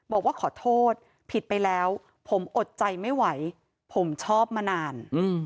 บอกว่าขอโทษผิดไปแล้วผมอดใจไม่ไหวผมชอบมานาน